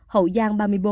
hậu giang ba mươi bốn